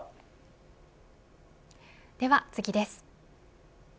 では次です。